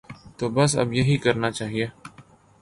تو بس اب یہی کرنا چاہیے۔